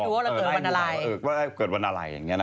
แล้วก็ไล่รู้ว่าเกิดวันอะไรอย่างนี้นะฮะ